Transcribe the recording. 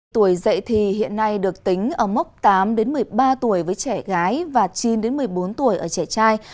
tuổi dậy thì hiện nay được tính ở mốc tám một mươi ba tuổi với trẻ gái và chín một mươi bốn tuổi ở trẻ trai